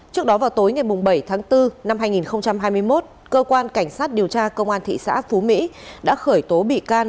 trước đó vào tối ngày bảy tháng bốn năm hai nghìn hai mươi một cơ quan cảnh sát điều tra công an thị xã phú mỹ đã khởi tố bị can